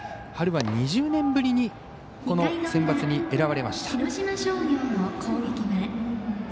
春は２０年ぶりにこのセンバツに選ばれました。